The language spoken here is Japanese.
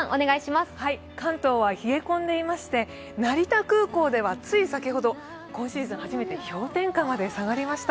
関東は冷え込んでいまして、成田空港ではつい先ほど今シーズン初めて氷点下まで下がりました。